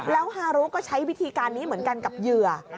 แล้วฮารุก็ใช้วิธีการนี้เหมือนกันกับเหยื่อ